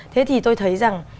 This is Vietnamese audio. thế thì tôi thấy rằng